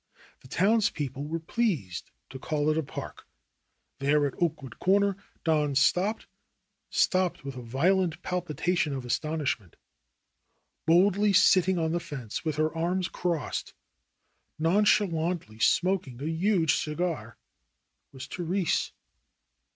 The townspeople were pleased to call it a park. There at Oakwood Corner Don stopped — stopped with a violent palpitation of astonishment. Boldly sitting on the fence with her arms crossed, non chalantly smoking a huge cigar was Therese